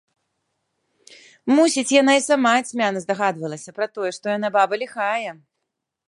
Мусіць, яна і сама цьмяна здагадвалася пра тое, што яна баба ліхая.